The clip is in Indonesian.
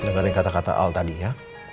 dengarin kata kata al tadi ya